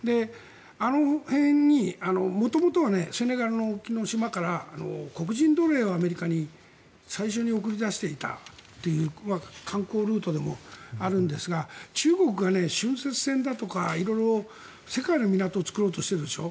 あの辺に元々はセネガルの沖の島から黒人奴隷をアメリカに最初に送り出していたという観光ルートでもあるんですが中国がしゅんせつ船だとか世界の港を作ろうとしているでしょ。